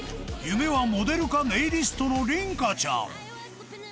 夢はモデルかネイリストの凛花ちゃん